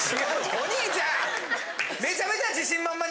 お兄ちゃん！